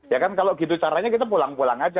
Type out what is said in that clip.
ya kan kalau gitu caranya kita pulang pulang aja